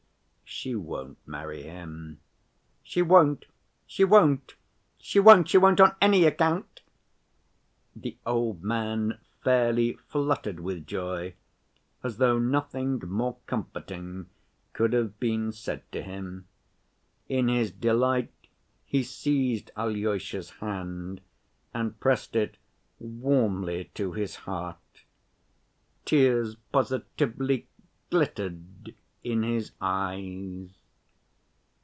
"She won't marry him." "She won't. She won't. She won't. She won't on any account!" The old man fairly fluttered with joy, as though nothing more comforting could have been said to him. In his delight he seized Alyosha's hand and pressed it warmly to his heart. Tears positively glittered in his eyes.